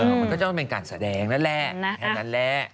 มันก็จะเป็นการแสดงแน่นั้นแหละ